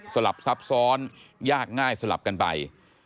ลับซับซ้อนยากง่ายสลับกันไป